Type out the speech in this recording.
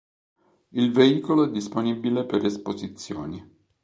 Il veicolo è disponibile per esposizioni.